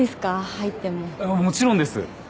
入ってももちろんです